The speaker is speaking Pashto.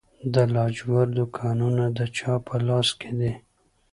د لاجوردو کانونه د چا په لاس کې دي؟